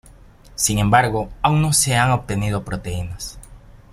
Sin embargo, aún no se han obtenido proteínas.